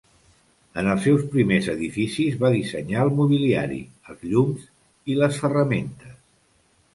En els seus primers edificis va dissenyar el mobiliari, els llums i les ferramentes.